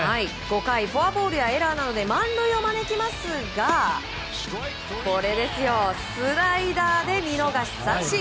５回、フォアボールやエラーなどで満塁を招きますがスライダーで見逃し三振！